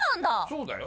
そうだよ。